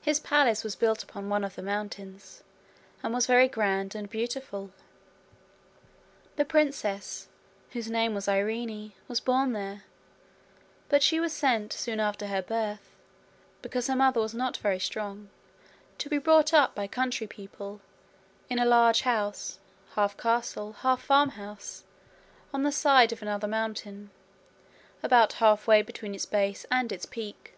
His palace was built upon one of the mountains, and was very grand and beautiful. The princess, whose name was Irene, was born there, but she was sent soon after her birth, because her mother was not very strong, to be brought up by country people in a large house, half castle, half farmhouse, on the side of another mountain, about half way between its base and its peak.